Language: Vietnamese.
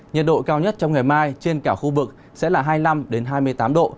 nhiệt độ cao nhất trong ngày mai trên cả khu vực sẽ là hai mươi năm hai mươi tám độ